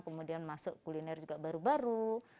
kemudian masuk kuliner juga baru baru